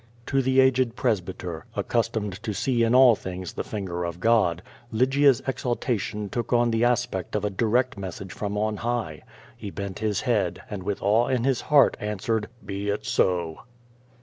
To the aged presbyter, accustomed to see in all things the finger of God, Lygia's exaltation look on the aspect of a di rect message from on high, lie bent his head, and with awe in his heart answered, "lie it so."